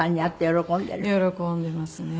喜んでますね。